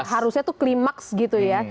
harusnya tuh klimaks gitu ya